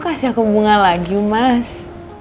kasih aku bunga lagi mas